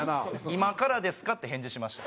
「今からですか？」って返事しました。